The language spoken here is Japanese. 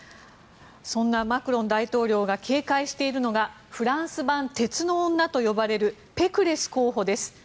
そんなマクロン大統領が警戒しているのがフランス版・鉄の女と呼ばれるペクレス候補です。